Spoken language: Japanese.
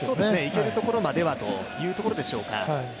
いけるところまではというところでしょうか。